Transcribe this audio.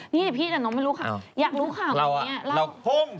นี่พี่แต่น้องไม่รู้ค่ะอยากรู้ข่าวตรงนี้เล่าเราพง